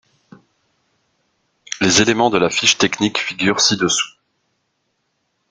Les éléments de la fiche technique figurent ci-dessous.